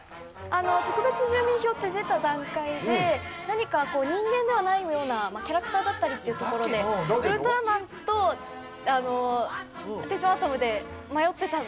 特別住民票って出た段階で何か人間ではないようなキャラクターだったりっていうところでウルトラマンと鉄腕アトムで迷ってたので。